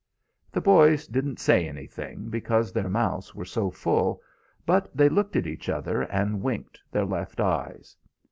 The boys didn't say anything, because their mouths were so full, but they looked at each other and winked their left eyes.